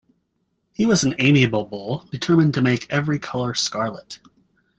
He was an amiable bull, determined to make every colour scarlet.